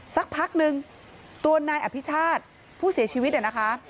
สักพักนึงตัวนายอภิชาติผู้เสียชีวิตนะคะ